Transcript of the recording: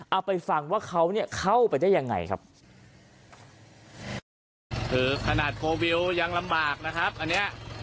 เอาไปฟังว่าเขาเนี่ยเข้าไปได้ยังไงครับคือขนาดโพลวิวยังลำบากนะครับอันเนี้ย